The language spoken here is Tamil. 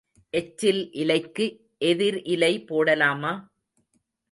எச்சில் இலைக்கு எதிர் இலை போடலாமா?